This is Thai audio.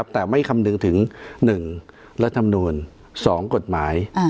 แต่ไม่คำนึงถึง๑รัฐมนูล๒กฎหมาย